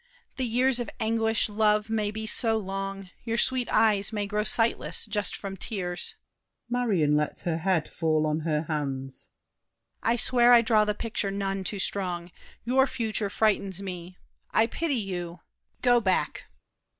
The years of anguish, love, may be so long Your sweet eyes may grow sightless, just from tears. [Marion lets her head fall on her hands. DIDIER. I swear I draw the picture none too strong. Your future frightens me. I pity you! Go back!